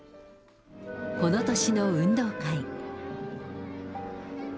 この年の運動会。